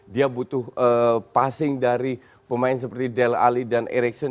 dia butuh passing dari pemain seperti dale alli dan eriksen